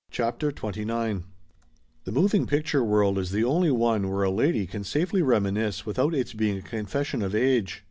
CHAPTER XXIX '~p v HE moving picture world is the only one where a A lady can safely reminisce without its being a confession of age.